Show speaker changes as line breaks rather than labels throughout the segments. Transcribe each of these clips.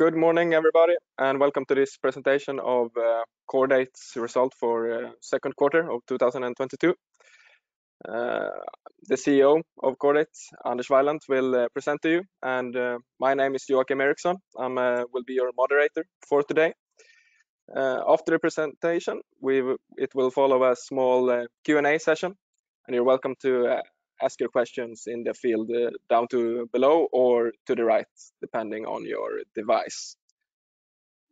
Good morning, everybody, and welcome to this presentation of Chordate's result for the Q2 of 2022. The CEO of Chordate, Anders Weilandt, will present to you, and my name is Joakim Eriksson. I will be your moderator for today. After the presentation, it will follow a small Q&A session, and you're welcome to ask your questions in the field down below or to the right, depending on your device.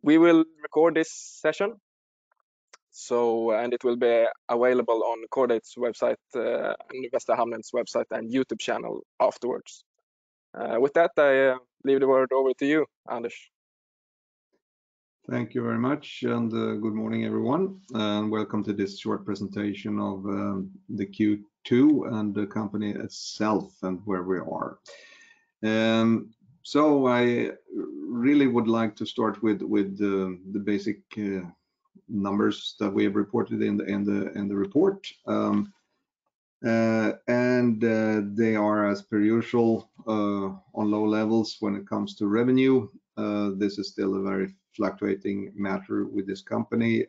We will record this session, and it will be available on Chordate's website, Västra Hamnens website and YouTube channel afterwards. With that, I leave the word over to you, Anders.
Thank you very much, good morning, everyone, and welcome to this short presentation of the Q2 and the company itself and where we are. I really would like to start with the basic numbers that we have reported in the report. They are as per usual on low levels when it comes to revenue. This is still a very fluctuating matter with this company.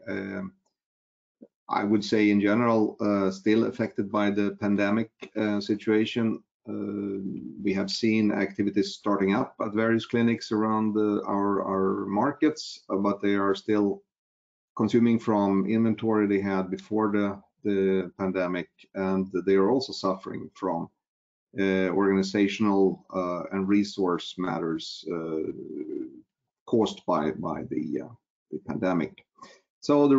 I would say in general still affected by the pandemic situation. We have seen activities starting up at various clinics around our markets, but they are still consuming from inventory they had before the pandemic. They are also suffering from organizational and resource matters caused by the pandemic. The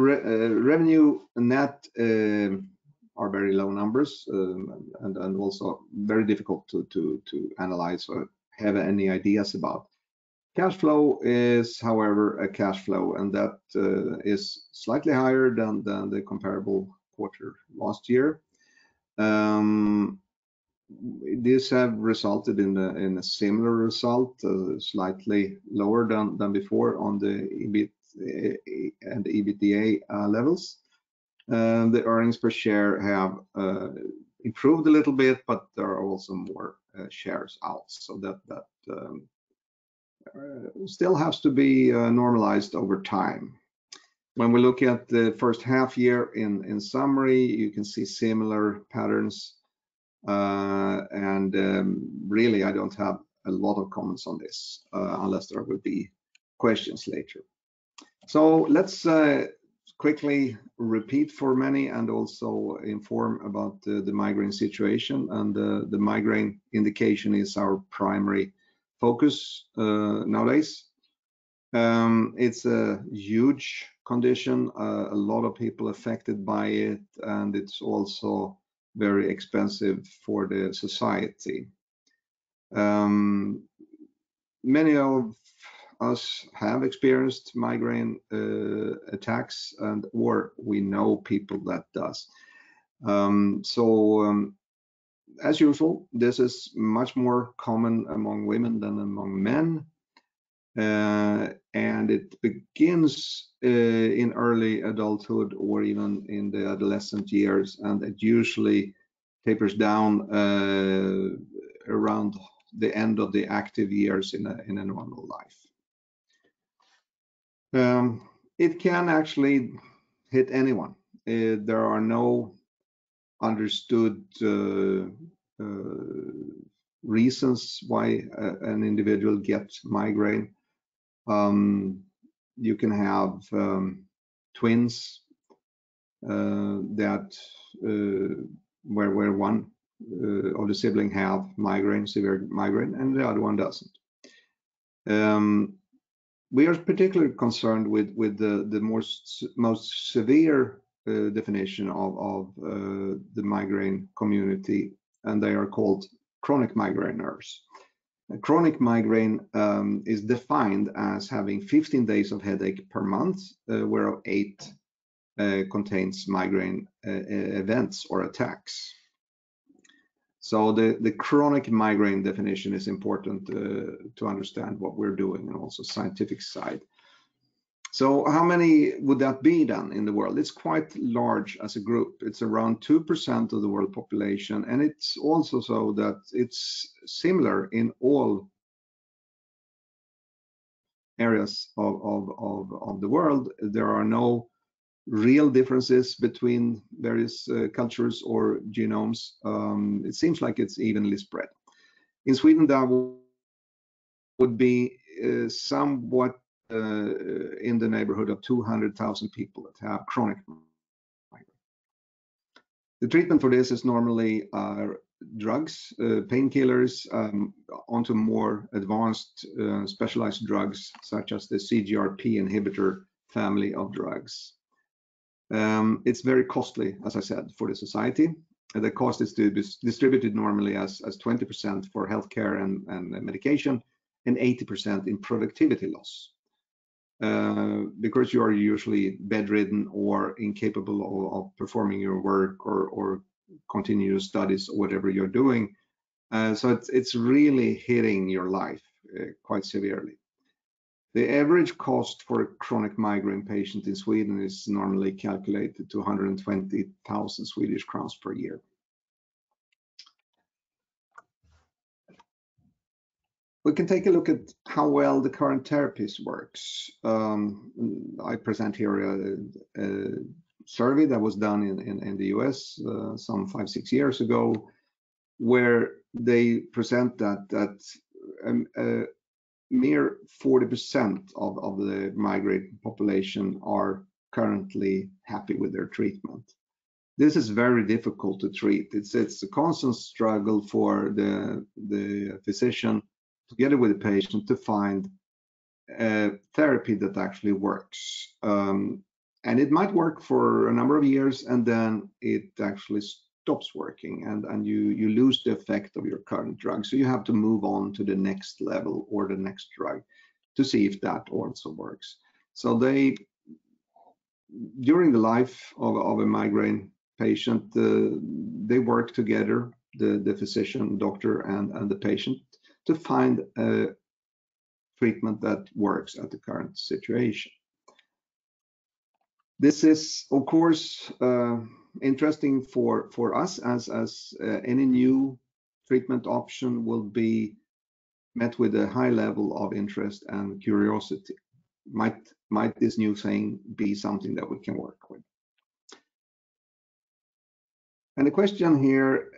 revenue and net are very low numbers, and also very difficult to analyze or have any ideas about. Cash flow is, however, a cash flow, and that is slightly higher than the comparable quarter last year. This have resulted in a similar result, slightly lower than before on the EBIT and EBITDA levels. The earnings per share have improved a little bit, but there are also more shares out. That still has to be normalized over time. When we look at the first half year in summary, you can see similar patterns. Really, I don't have a lot of comments on this, unless there would be questions later. Let's quickly repeat for many and also inform about the migraine situation, and the migraine indication is our primary focus nowadays. It's a huge condition, a lot of people affected by it, and it's also very expensive for the society. Many of us have experienced migraine attacks or we know people that does. As usual, this is much more common among women than among men. It begins in early adulthood or even in the adolescent years, and it usually tapers down around the end of the active years in one's life. It can actually hit anyone. There are no understood reasons why an individual gets migraine. You can have twins that where one of the sibling have migraine, severe migraine, and the other one doesn't. We are particularly concerned with the most severe definition of the migraine community, and they are called chronic migraineurs. A chronic migraine is defined as having 15 days of headache per month, where 8 contains migraine events or attacks. The chronic migraine definition is important to understand what we're doing and also scientific side. How many would that be then in the world? It's quite large as a group. It's around 2% of the world population, and it's also so that it's similar in all areas of the world. There are no real differences between various cultures or genomes. It seems like it's evenly spread. In Sweden, that would be somewhat in the neighborhood of 200,000 people that have chronic migraine. The treatment for this is normally drugs, painkillers, onto more advanced specialized drugs such as the CGRP inhibitor family of drugs. It's very costly, as I said, for the society. The cost is distributed normally as 20% for healthcare and medication, and 80% in productivity loss, because you are usually bedridden or incapable of performing your work or continue your studies, whatever you're doing. It's really hitting your life quite severely. The average cost for a chronic migraine patient in Sweden is normally calculated to 120,000 Swedish crowns per year. We can take a look at how well the current therapies works. I present here a survey that was done in the US some five-six years ago, where they present that mere 40% of the migraine population are currently happy with their treatment. This is very difficult to treat. It's a constant struggle for the physician together with the patient to find a therapy that actually works. It might work for a number of years, and then it actually stops working, and you lose the effect of your current drug. You have to move on to the next level or the next drug to see if that also works. During the life of a migraine patient, they work together, the physician, doctor, and the patient to find a treatment that works at the current situation. This is, of course, interesting for us as any new treatment option will be met with a high level of interest and curiosity. Might this new thing be something that we can work with? The question here,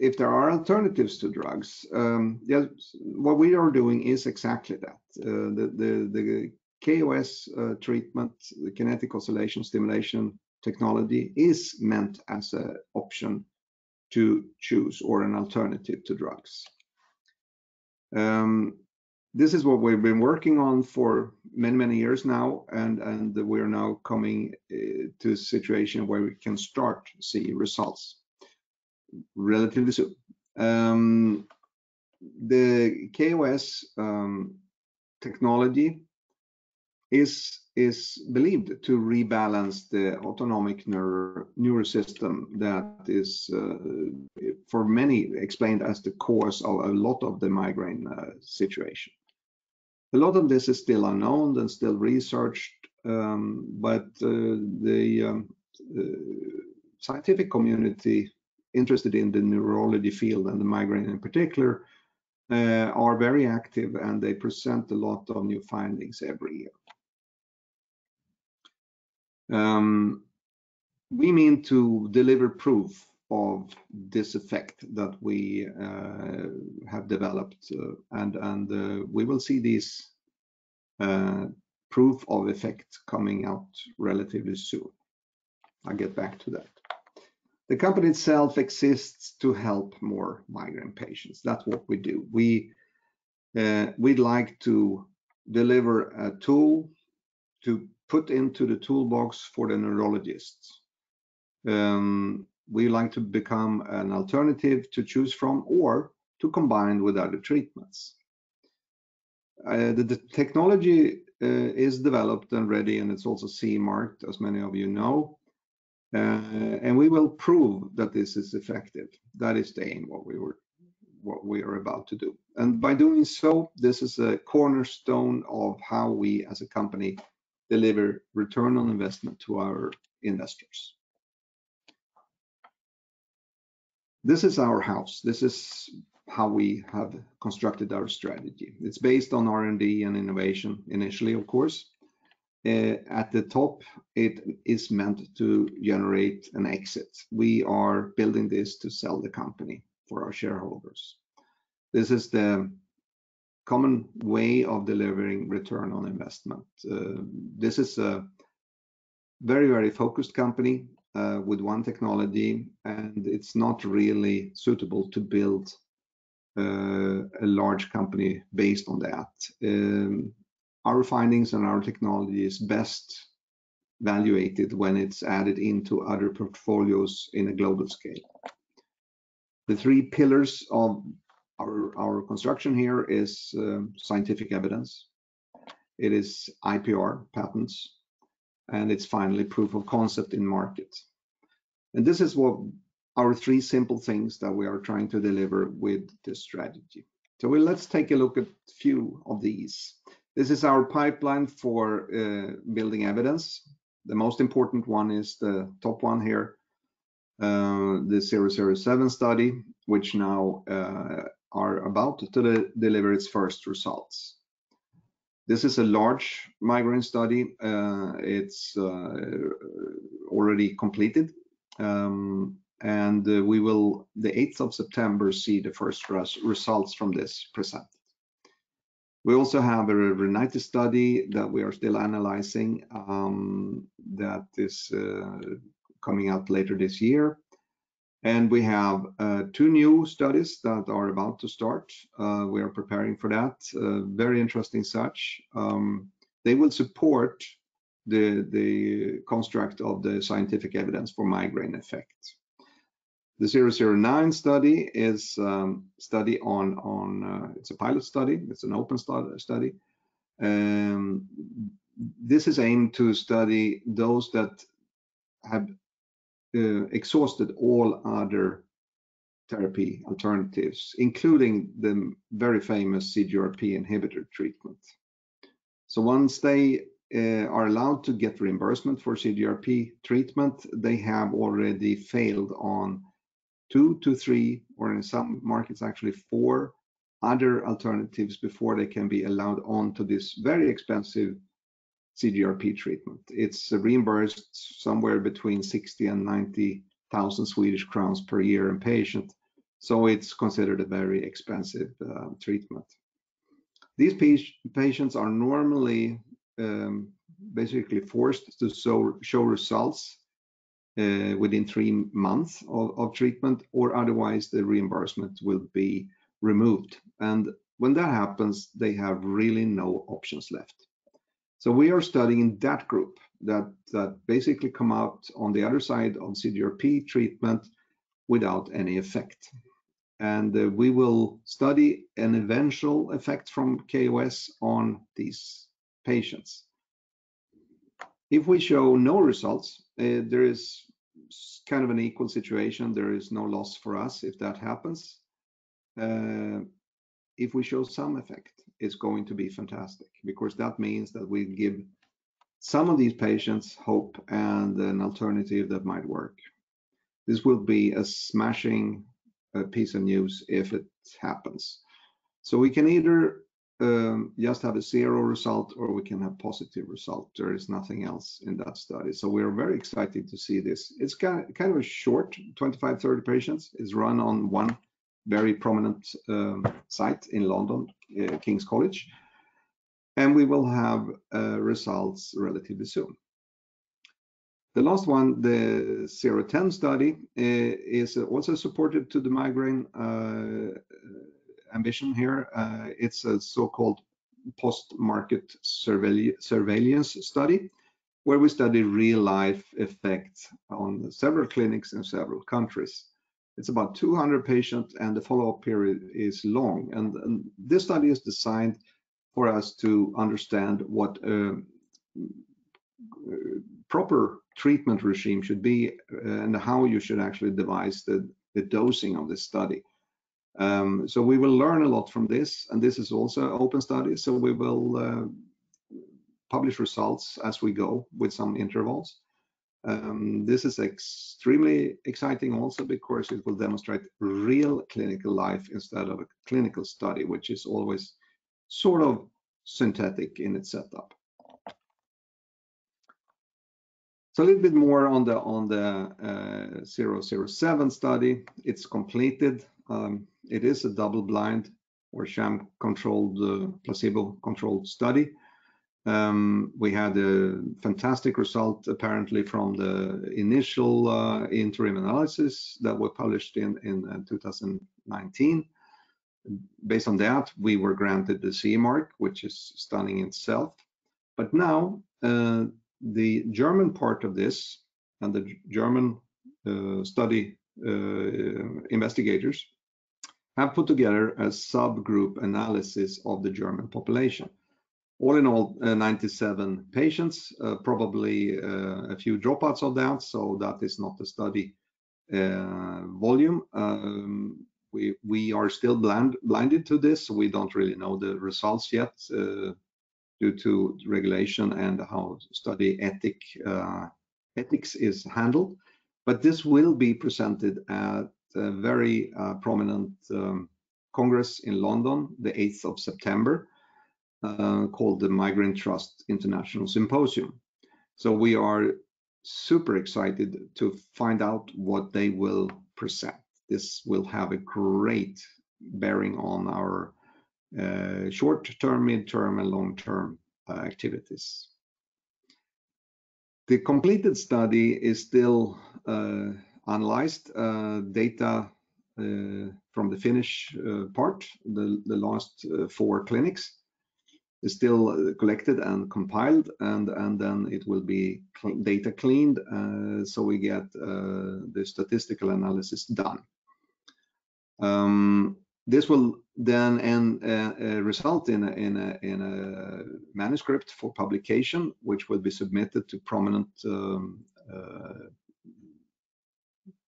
if there are alternatives to drugs, what we are doing is exactly that. The KOS treatment, the Kinetic Oscillation Stimulation technology is meant as an option to choose or an alternative to drugs. This is what we've been working on for many, many years now, and we're now coming to a situation where we can start to see results relatively soon. The KOS technology is believed to rebalance the autonomic nervous system that is, for many, explained as the cause of a lot of the migraine situation. A lot of this is still unknown and still researched, but the scientific community interested in the neurology field and the migraine in particular are very active, and they present a lot of new findings every year. We mean to deliver proof of this effect that we have developed, and we will see these proof of effect coming out relatively soon. I'll get back to that. The company itself exists to help more migraine patients. That's what we do. We'd like to deliver a tool to put into the toolbox for the neurologists. We like to become an alternative to choose from or to combine with other treatments. The technology is developed and ready, and it's also CE marked, as many of you know. We will prove that this is effective. That is the aim what we are about to do. By doing so, this is a cornerstone of how we as a company deliver return on investment to our investors. This is our house. This is how we have constructed our strategy. It's based on R&D and innovation initially, of course. At the top, it is meant to generate an exit. We are building this to sell the company for our shareholders. This is the common way of delivering return on investment. This is a very, very focused company, with one technology, and it's not really suitable to build, a large company based on that. Our findings and our technology is best valuated when it's added into other portfolios in a global scale. The three pillars of our construction here is scientific evidence, it is IPR patents, and the final proof of concept in market. This is what our three simple things that we are trying to deliver with this strategy. Let's take a look at a few of these. This is our pipeline for building evidence. The most important one is the top one here, the PM007 study, which now are about to deliver its first results. This is a large migraine study. It's already completed. We will, the eighth of September, see the first results from this presentation. We also have a rhinitis study that we are still analyzing, that is coming out later this year. We have two new studies that are about to start. We are preparing for that, very interesting such. They will support the construct of the scientific evidence for migraine effect. The 009 study is a study on, it's a pilot study. It's an open study. This is aimed to study those that have exhausted all other therapy alternatives, including the very famous CGRP inhibitor treatment. Once they are allowed to get reimbursement for CGRP treatment, they have already failed on two-three, or in some markets actually four other alternatives before they can be allowed onto this very expensive CGRP treatment. It's reimbursed somewhere between 60,000-90,000 Swedish crowns per year per patient, so it's considered a very expensive treatment. These patients are normally basically forced to show results within three months of treatment or otherwise the reimbursement will be removed. When that happens, they have really no options left. We are studying that group that basically come out on the other side on CGRP treatment without any effect. We will study an eventual effect from KOS on these patients. If we show no results, there is kind of an equal situation. There is no loss for us if that happens. If we show some effect, it's going to be fantastic because that means that we give some of these patients hope and an alternative that might work. This will be a smashing piece of news if it happens. We can either just have a zero result or we can have positive result. There is nothing else in that study. We are very excited to see this. It's kind of a short, 25, 30 patients. It's run on one very prominent site in London, King's College. We will have results relatively soon. The last one, the 010 study, is also supportive of the migraine ambition here. It's a so-called post-market surveillance study where we study real-life effects on several clinics in several countries. It's about 200 patients, and the follow-up period is long. This study is designed for us to understand what a proper treatment regime should be and how you should actually devise the dosing of this study. We will learn a lot from this, and this is also an open study, so we will publish results as we go with some intervals. This is extremely exciting also because it will demonstrate real clinical life instead of a clinical study, which is always sort of synthetic in its setup. A little bit more on the 007 study. It's completed. It is a double-blind or sham-controlled, placebo-controlled study. We had a fantastic result apparently from the initial interim analysis that were published in 2019. Based on that, we were granted the CE mark, which is stunning in itself. Now, the German part of this and the German study investigators have put together a subgroup analysis of the German population. All in all, 97 patients, probably a few dropouts of that is not a study volume. We are still blinded to this. We don't really know the results yet, due to regulation and how study ethics is handled. This will be presented at a very prominent congress in London the eighth of September, called the Migraine Trust International Symposium. We are super excited to find out what they will present. This will have a great bearing on our short-term, mid-term, and long-term activities. The completed study is still analyzed. Data from the Finnish part, the last four clinics is still collected and compiled, and then it will be data cleaned, so we get the statistical analysis done. This will then result in a manuscript for publication, which will be submitted to prominent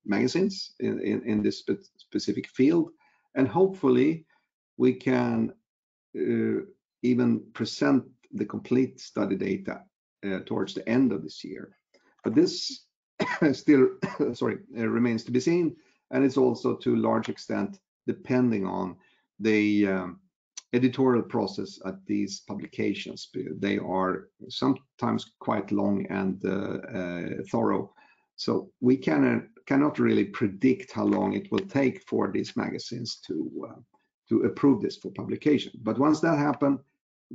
magazines in this specific field. Hopefully, we can even present the complete study data towards the end of this year. This still, sorry, remains to be seen, and it's also to a large extent depending on the editorial process at these publications. They are sometimes quite long and thorough. We cannot really predict how long it will take for these magazines to approve this for publication. Once that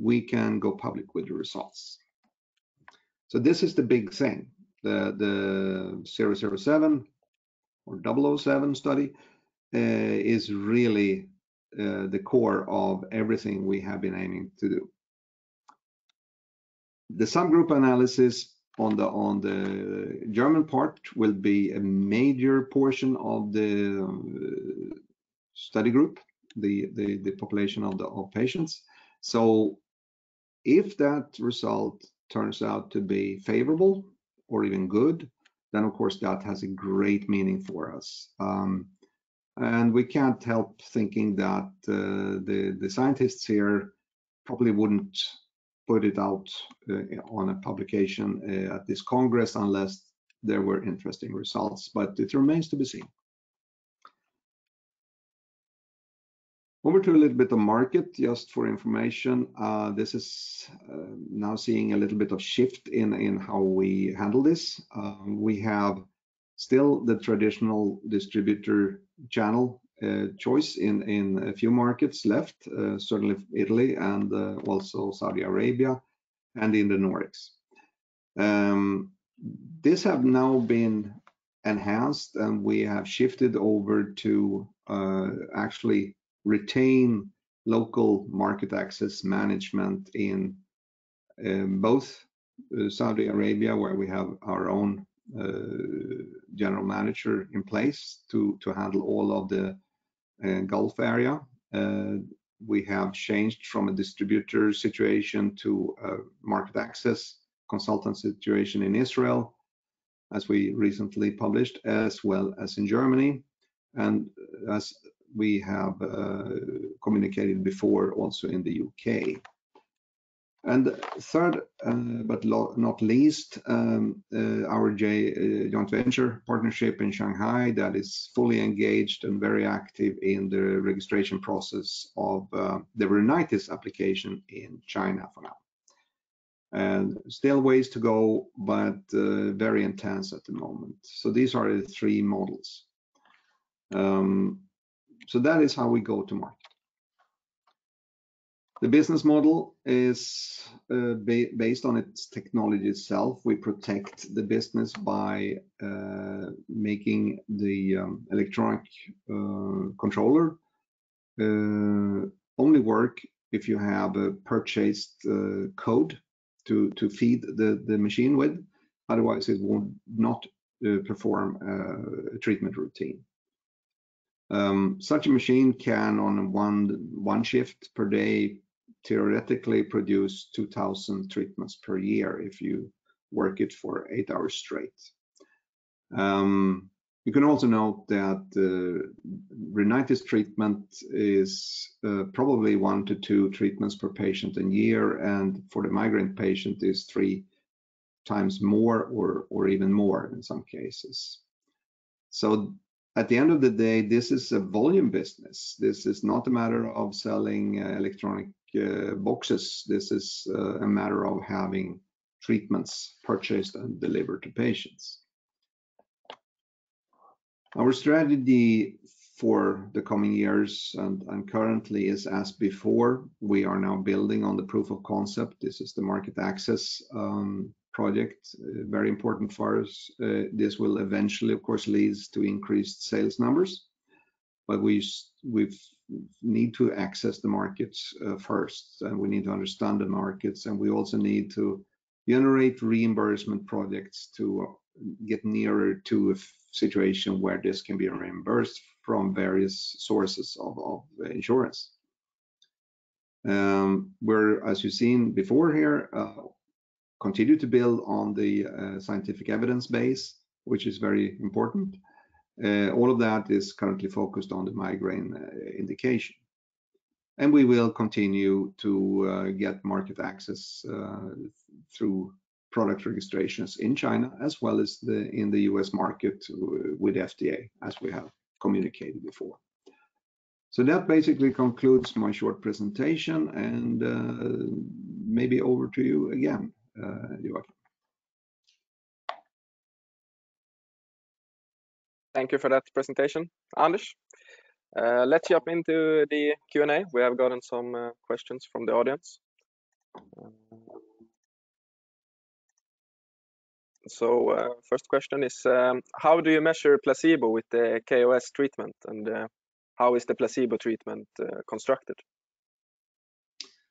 happen, we can go public with the results. This is the big thing. The zero-zero-seven or double o seven study is really the core of everything we have been aiming to do. The subgroup analysis on the German part will be a major portion of the study group, the population of patients. If that result turns out to be favorable or even good, then of course that has a great meaning for us. We can't help thinking that the scientists here probably wouldn't put it out on a publication at this congress unless there were interesting results. It remains to be seen. Over to a little bit of market, just for information. This is now seeing a little bit of shift in how we handle this. We have still the traditional distributor channel choice in a few markets left, certainly Italy and also Saudi Arabia, and in the Nordics. This has now been enhanced, and we have shifted over to actually retain local market access management in both Saudi Arabia, where we have our own general manager in place to handle all of the Gulf area. We have changed from a distributor situation to a market access consultant situation in Israel, as we recently published, as well as in Germany, and as we have communicated before, also in the U.K. Third, but last but not least, our joint venture partnership in Shanghai that is fully engaged and very active in the registration process of the rhinitis application in China for now. Still a ways to go, but very intense at the moment. These are the three models. That is how we go to market. The business model is based on its technology itself. We protect the business by making the electronic controller only work if you have a purchased code to feed the machine with. Otherwise, it will not perform a treatment routine. Such a machine can on one shift per day, theoretically produce 2000 treatments per year if you work it for eight hours straight. You can also note that the rhinitis treatment is probably one-two treatments per patient in a year, and for the migraine patient is three times more or even more in some cases. At the end of the day, this is a volume business. This is not a matter of selling electronic boxes. This is a matter of having treatments purchased and delivered to patients. Our strategy for the coming years and currently is as before, we are now building on the proof of concept. This is the market access project, very important for us. This will eventually, of course, leads to increased sales numbers. We've need to access the markets, first, and we need to understand the markets, and we also need to generate reimbursement projects to get nearer to a situation where this can be reimbursed from various sources of insurance. We're, as you've seen before here, continue to build on the scientific evidence base, which is very important. All of that is currently focused on the migraine indication. We will continue to get market access through product registrations in China, as well as in the US market with FDA, as we have communicated before. That basically concludes my short presentation, and maybe over to you again, Joakim.
Thank you for that presentation, Anders. Let's jump into the Q&A. We have gotten some questions from the audience. First question is, how do you measure placebo with the KOS treatment, and how is the placebo treatment constructed?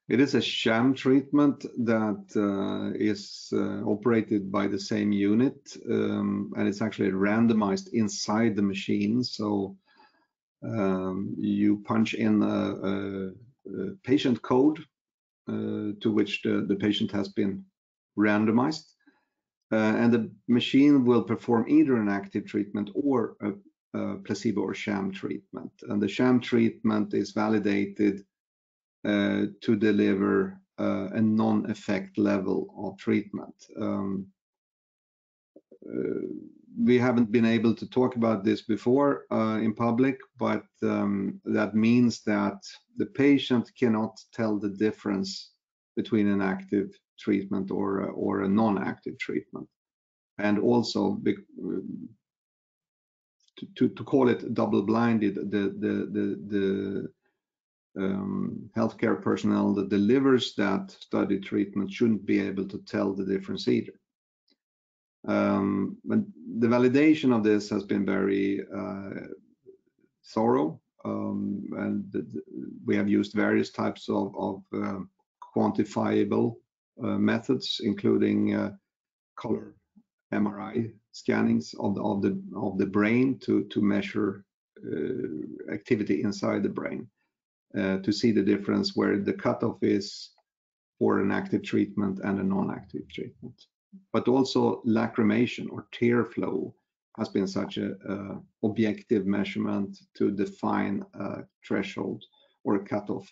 It is a sham treatment that is operated by the same unit and it's actually randomized inside the machine. You punch in a patient code to which the patient has been randomized and the machine will perform either an active treatment or a placebo or sham treatment. The sham treatment is validated to deliver a non-effect level of treatment. We haven't been able to talk about this before in public, but that means that the patient cannot tell the difference between an active treatment or a non-active treatment. To call it double-blinded, the healthcare personnel that delivers that study treatment shouldn't be able to tell the difference either. The validation of this has been very thorough, and we have used various types of quantifiable methods, including fMRI scanning of the brain to measure activity inside the brain to see the difference where the cutoff is for an active treatment and a non-active treatment. Lacrimation or tear flow has been such an objective measurement to define a threshold or a cutoff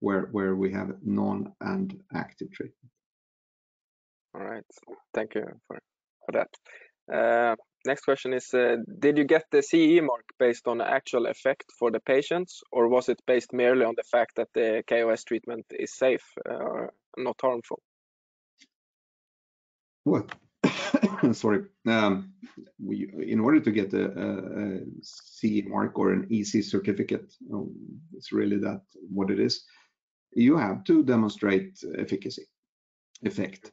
where we have non-active and active treatment.
All right. Thank you for that. Next question is, did you get the CE marking based on the actual effect for the patients, or was it based merely on the fact that the KOS treatment is safe, not harmful?
Well, sorry. In order to get a CE mark or an EC certificate, it's really that what it is, you have to demonstrate efficacy, effect.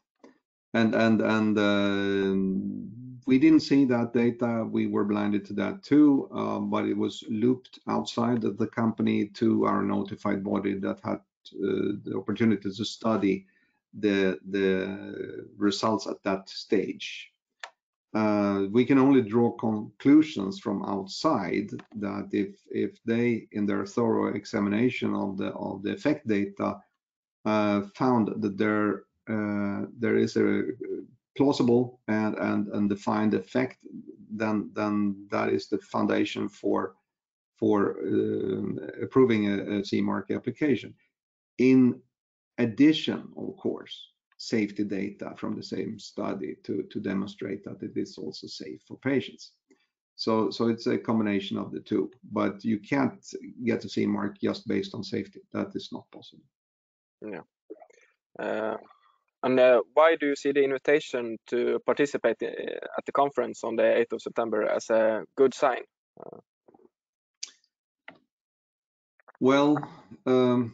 We didn't see that data. We were blinded to that too, but it was looped outside of the company to our notified body that had the opportunity to study the results at that stage. We can only draw conclusions from outside that if they, in their thorough examination of the effect data, found that there is a plausible and defined effect then that is the foundation for approving a CE mark application. In addition, of course, safety data from the same study to demonstrate that it is also safe for patients. It's a combination of the two, but you can't get a CE mark just based on safety. That is not possible.
Yeah, why do you see the invitation to participate at the conference on the eighth of September as a good sign?
Well, I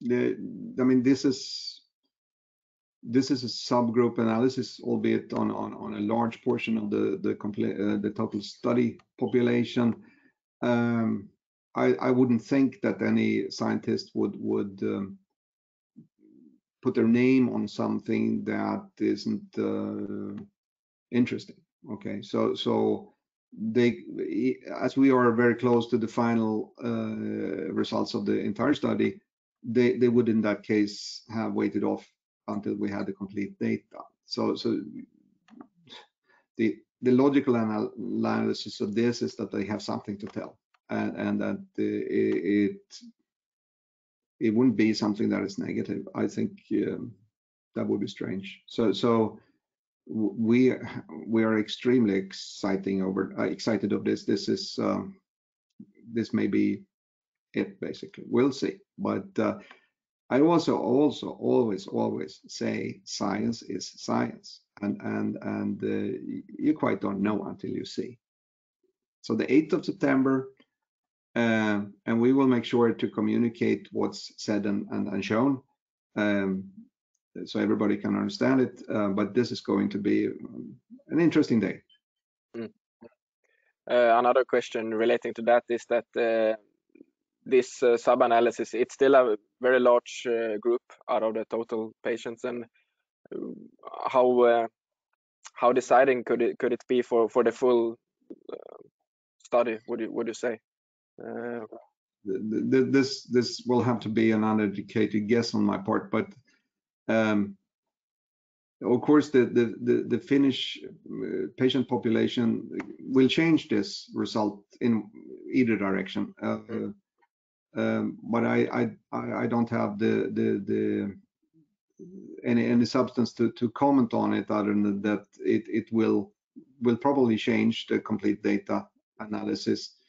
mean, this is a subgroup analysis, albeit on a large portion of the total study population. I wouldn't think that any scientist would put their name on something that isn't interesting. Okay. As we are very close to the final results of the entire study, they would in that case have held off until we had the complete data. The logical analysis of this is that they have something to tell, and that it wouldn't be something that is negative. I think that would be strange. We are extremely excited about this. This may be it, basically. We'll see. I also always say science is science, and you quite don't know until you see. The eighth of September, and we will make sure to communicate what's said and shown, so everybody can understand it. This is going to be an interesting day.
Another question relating to that is that this sub-analysis, it's still a very large group out of the total patients. How decisive could it be for the full study? What do you say?
This will have to be an uneducated guess on my part, but of course, the Finnish patient population will change this result in either direction. I don't have any substance to comment on it, other than that it will probably change the complete data analysis,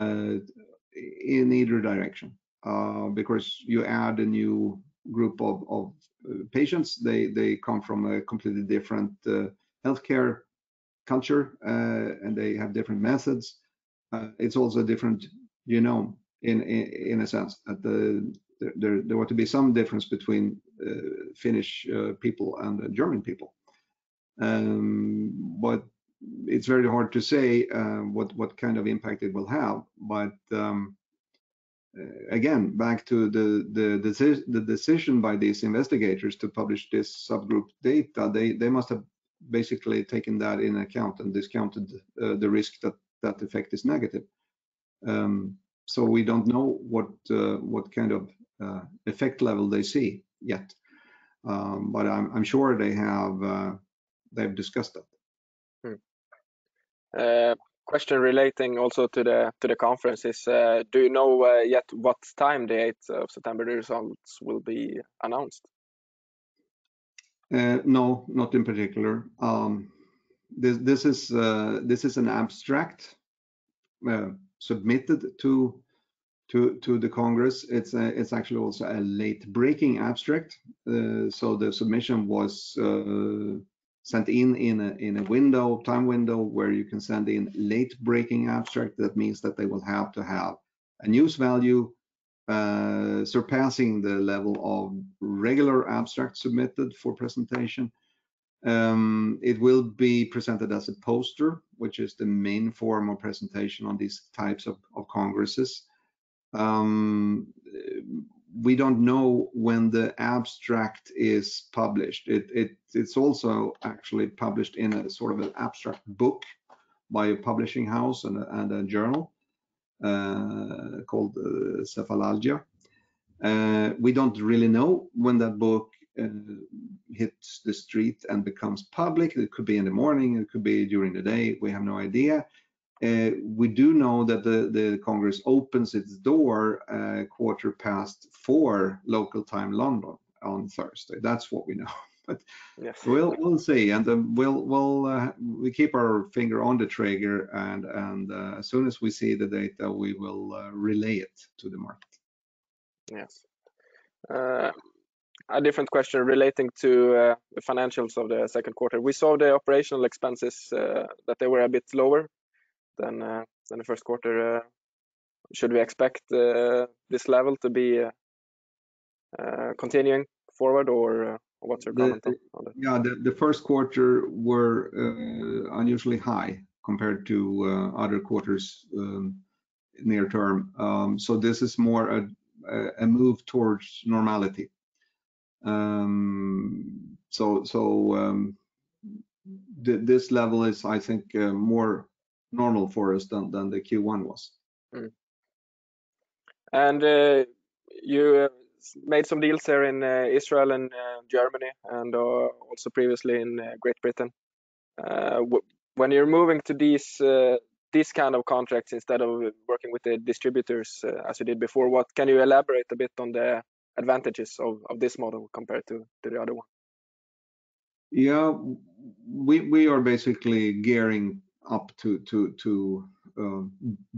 in either direction. Because you add a new group of patients, they come from a completely different healthcare culture, and they have different methods. It's also different, you know, in a sense that there ought to be some difference between Finnish people and German people. It's very hard to say what kind of impact it will have. Again, back to the decision by these investigators to publish this subgroup data, they must have basically taken that into account and discounted the risk that that effect is negative. We don't know what kind of effect level they see yet. I'm sure they've discussed that.
Question relating also to the conference is, do you know yet what time the eighth of September results will be announced?
No, not in particular. This is an abstract submitted to the Congress. It's actually also a late-breaking abstract. So the submission was sent in a time window where you can send in late-breaking abstract. That means that they will have to have a news value surpassing the level of regular abstract submitted for presentation. It will be presented as a poster, which is the main form of presentation on these types of congresses. We don't know when the abstract is published. It's also actually published in a sort of an abstract book by a publishing house and a journal.
Called the
Yes.
A different question relating to the financials of the Q2. We saw the operational expenses that they were a bit lower than the Q1. Should we expect this level to be continuing forward or what's your comment on that?
Yeah. The Q1 were unusually high compared to other quarters near term. This is more a move toward normality. This level is, I think, more normal for us than the Q1 was.
You made some deals there in Israel and Germany and also previously in Great Britain. When you're moving to these kind of contracts instead of working with the distributors as you did before, what can you elaborate a bit on the advantages of this model compared to the other one?
Yeah. We are basically gearing up to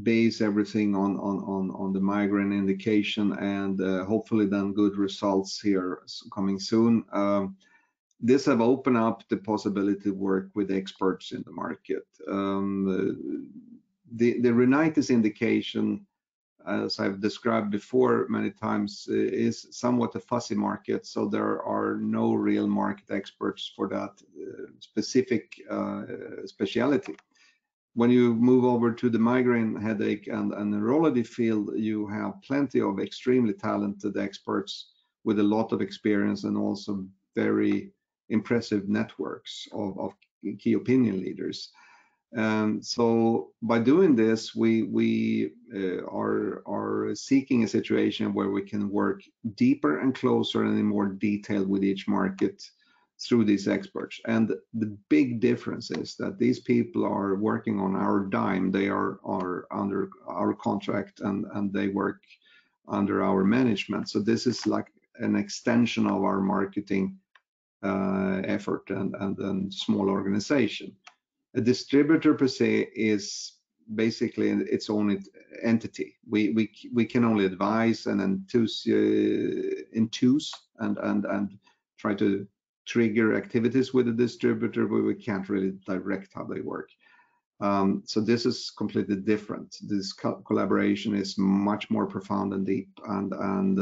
base everything on the migraine indication and hopefully then good results here coming soon. This have opened up the possibility to work with experts in the market. The rhinitis indication, as I've described before many times, is somewhat a fuzzy market, so there are no real market experts for that specific specialty. When you move over to the migraine headache and the neurology field, you have plenty of extremely talented experts with a lot of experience and also very impressive networks of key opinion leaders. So by doing this, we are seeking a situation where we can work deeper and closer and in more detail with each market through these experts. The big difference is that these people are working on our dime. They are under our contract, and they work under our management. This is like an extension of our marketing, effort and small organization. A distributor per se is basically its own entity. We can only advise and enthuse and try to trigger activities with the distributor, but we can't really direct how they work. This is completely different. This collaboration is much more profound and deep, and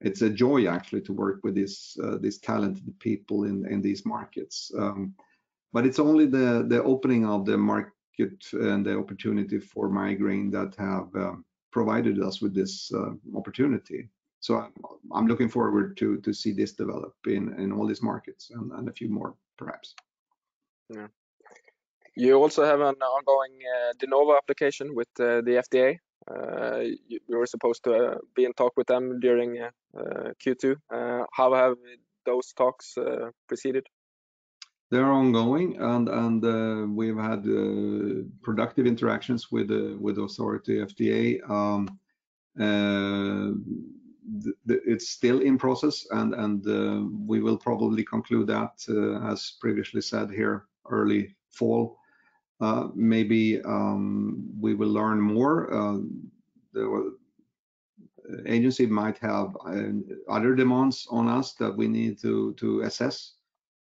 it's a joy actually to work with these talented people in these markets. It's only the opening of the market and the opportunity for migraine that have provided us with this opportunity. I'm looking forward to see this develop in all these markets and a few more perhaps.
Yeah. You also have an ongoing De Novo application with the FDA. You were supposed to be in talks with them during Q2. How have those talks proceeded?
They're ongoing. We've had productive interactions with the authority FDA. It's still in process and we will probably conclude that, as previously said here, early fall. We will learn more. The agency might have other demands on us that we need to assess.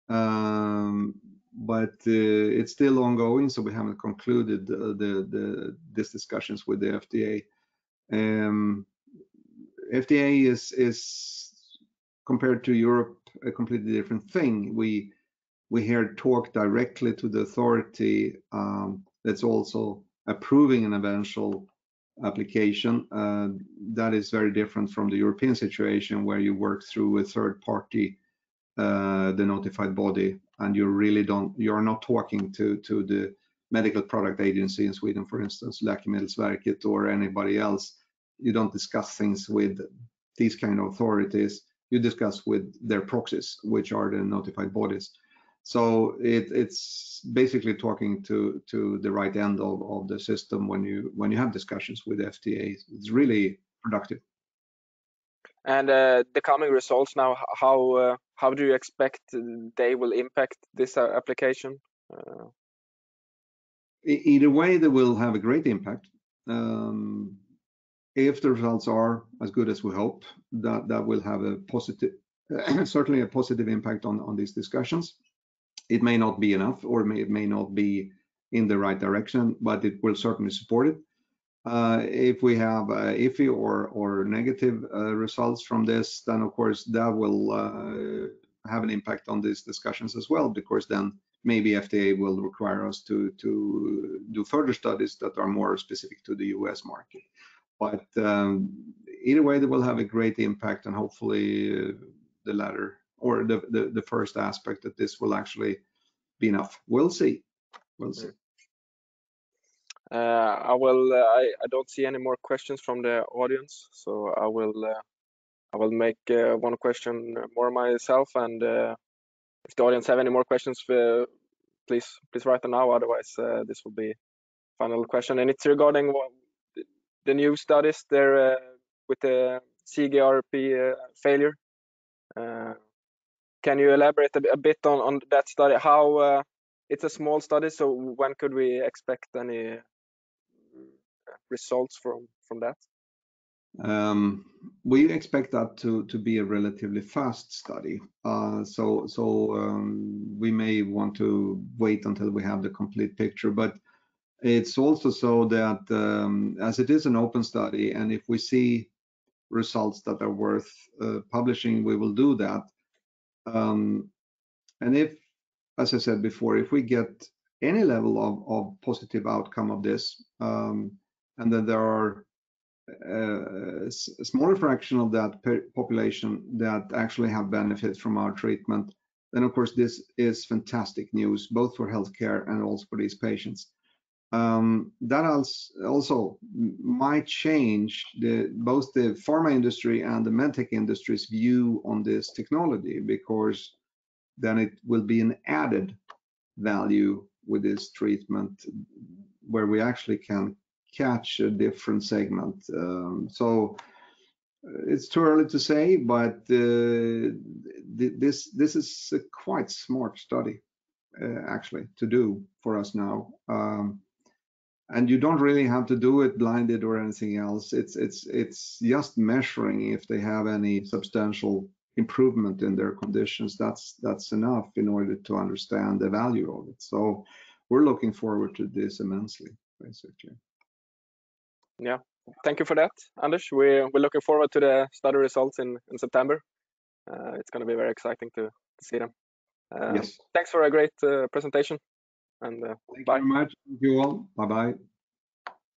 It's still ongoing, so we haven't concluded the discussions with the FDA. FDA is, compared to Europe, a completely different thing. We here talk directly to the authority that's also approving an eventual application. That is very different from the European situation where you work through a third party, the notified body, and you're not talking to the medical product agency in Sweden, for instance, Läkemedelsverket or anybody else. You don't discuss things with these kind of authorities. You discuss with their proxies, which are the notified bodies. It's basically talking to the right end of the system when you have discussions with FDA. It's really productive.
The coming results now, how do you expect they will impact this application?
In a way they will have a great impact. If the results are as good as we hope, that will have a positive, certainly a positive impact on these discussions. It may not be enough or may not be in the right direction, but it will certainly support it. If we have iffy or negative results from this, then of course that will have an impact on these discussions as well. Because then maybe FDA will require us to do further studies that are more specific to the U.S. market. Either way they will have a great impact and hopefully the latter or the first aspect that this will actually be enough. We'll see. We'll see.
I don't see any more questions from the audience, so I will make one question more myself and if the audience have any more questions, please write them now. Otherwise, this will be final question and it's regarding what the new studies there with the CGRP failure. Can you elaborate a bit on that study how it's a small study, so when could we expect any results from that?
We expect that to be a relatively fast study. We may want to wait until we have the complete picture, but it's also so that as it is an open study and if we see results that are worth publishing, we will do that. If, as I said before, we get any level of positive outcome of this, and then there are a smaller fraction of that population that actually have benefit from our treatment, then of course this is fantastic news both for healthcare and also for these patients. That also might change both the pharma industry and the med tech industry's view on this technology because then it will be an added value with this treatment where we actually can catch a different segment. It's too early to say, but this is a quite smart study actually to do for us now. You don't really have to do it blinded or anything else. It's just measuring if they have any substantial improvement in their conditions. That's enough in order to understand the value of it. We're looking forward to this immensely, basically.
Yeah. Thank you for that, Anders. We're looking forward to the study results in September. It's gonna be very exciting to see them.
Yes.
Thanks for a great presentation and bye.
Thank you very much. Thank you all. Bye-bye.